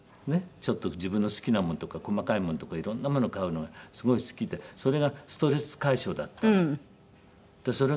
ちょっと自分の好きなものとか細かいものとかいろんなものを買うのがすごい好きでそれがストレス解消だったのよ。